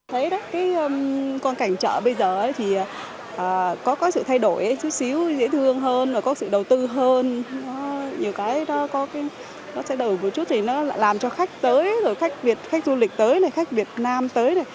cái quan cảnh chợ bây giờ thì có sự thay đổi chút xíu dễ thương hơn có sự đầu tư hơn nhiều cái nó sẽ đổi một chút thì nó làm cho khách tới khách du lịch tới khách việt nam tới